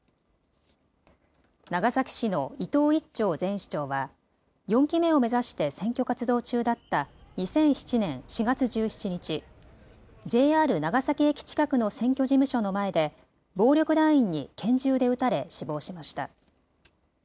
長崎市の伊藤一長前市長は４期目を目指して選挙活動中だった２００７年４月１７日、ＪＲ長崎駅近くの選挙事務所の前で暴力団員に拳銃で撃たれ死亡しました。